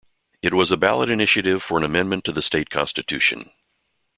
It was a ballot initiative for an amendment to the state constitution.